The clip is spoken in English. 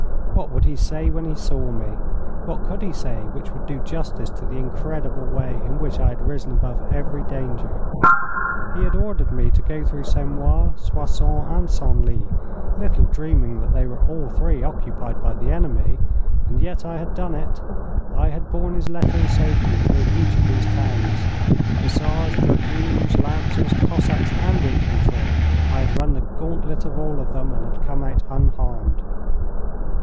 What would he say when he saw me? What could he say which would do justice to the incredible way in which I had risen above every danger? He had ordered me to go through Sermoise, Soissons, and Senlis, little dreaming that they were all three occupied by the enemy. And yet I had done it. I had borne his letter in safety through each of these towns. Hussars, dragoons, lancers, Cossacks, and infantry I had run the gauntlet of all of them, and had come out unharmed.